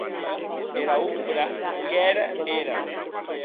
Era ombra qu’ère era.